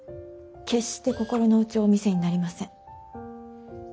決して心の内をお見せになりません。